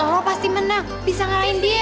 lo pasti menang bisa ngalahin dia